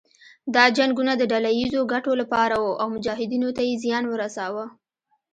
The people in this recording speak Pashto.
دا جنګونه د ډله ييزو ګټو لپاره وو او مجاهدینو ته يې زیان ورساوه.